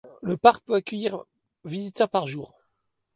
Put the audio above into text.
Le parc peut accueillir visiteurs par jour.